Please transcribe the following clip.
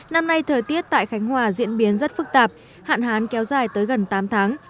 năm nay thời tiết tại khánh hòa diễn biến rất phức tạp hạn hán kéo dài tới gần tám tháng